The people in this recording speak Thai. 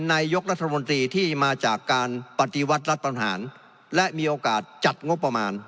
นายกรัฐมนตรีที่มาจากการปฏิวัติรัฐประหารและมีโอกาสจัดงบประมาณ